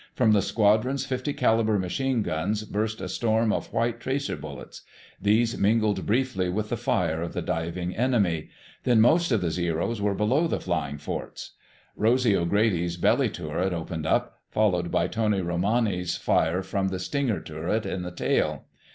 From the squadron's .50 caliber machine guns burst a storm of white tracer bullets. These mingled briefly with the fire of the diving enemy. Then most of the Zeros were below the flying forts. Rosy O'Grady's belly turret opened up, followed by Tony Romani's fire from the "stinger" turret in the tail.